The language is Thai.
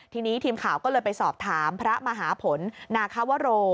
ทีนี้ทีมข่าวก็เลยไปสอบถามพระมหาผลนาควโร